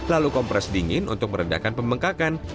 lalu kompres dingin untuk merendahkan pemengkakan